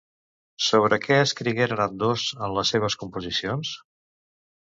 Sobre què escrigueren ambdós en les seves composicions?